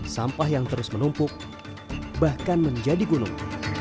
sampah yang terus menumpuk bahkan menjadi gunung